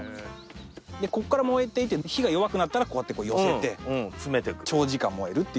ここから燃えていって火が弱くなったらこうやって寄せて詰めて長時間燃えるっていう。